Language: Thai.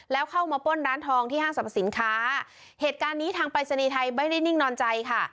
แล้วเข้ามาป้นร้านทองที่ห้างสรรพสินค้าเหตุการณ์นี้ทางปรายศนีย์ไทยไม่ได้นิ่งนอนใจค่ะ